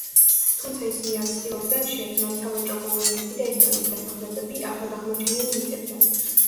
თუმცა ისინი არ ცდილობდნენ შეექმნათ სავაჭრო კოლონიები და ესპანური დასახლებები ახლადაღმოჩენილ მიწებზე.